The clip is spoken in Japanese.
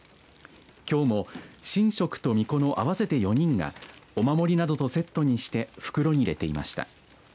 きょうも、神職とみこの合わせて４人がお守りなどとセットにして袋に入れていました。